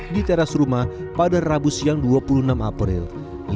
di teras rumah pada rabu siang dua puluh enam april